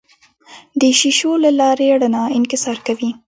د شیشو له لارې رڼا انکسار کوي.